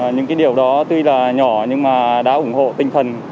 những cái điều đó tuy là nhỏ nhưng mà đã ủng hộ tinh thần